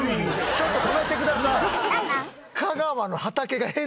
ちょっと止めてください！